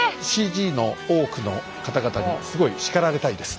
ＣＧの大奥の方々にすごい叱られたいです